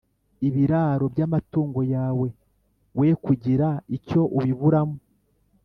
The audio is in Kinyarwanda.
ibiraro by’amatungo yawe, We kugira icyo ubiburamo.